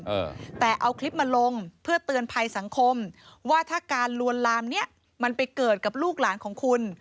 เออแต่เอาคลิปมาลงเพื่อเตือนภัยสังคมว่าถ้าการลวนลามเนี้ยมันไปเกิดกับลูกหลานของคุณ